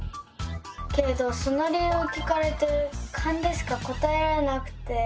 けれどその理由を聞かれてカンでしか答えられなくて。